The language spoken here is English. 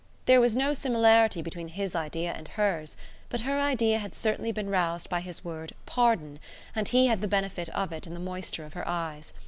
There was no similarity between his idea and hers, but her idea had certainly been roused by his word "pardon", and he had the benefit of it in the moisture of her eyes.